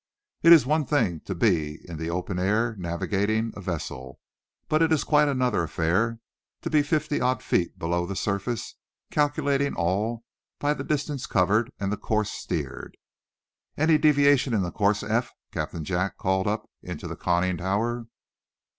It is one thing to be in the open air, navigating a vessel, but it is quite another affair to be fifty odd feet below the surface, calculating all by the distance covered and the course steered. "Any deviation in the course, Eph?" Captain Jack called up into the conning tower.